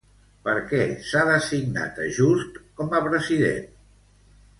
Per què s'ha designat a Just com a president?